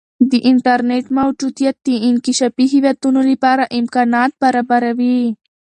د انټرنیټ موجودیت د انکشافي هیوادونو لپاره امکانات برابروي.